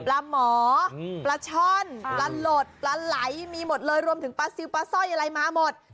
ปลาหมอปลาช่อนปลาหลดปลาไหลมีหมดเลยรวมถึงปลาซิลปลาสร้อยอะไรมาหมด